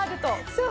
そう。